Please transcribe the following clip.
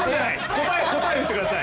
答えを言ってください！